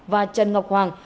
và trần ngọc hoàng